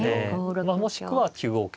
もしくは９五桂。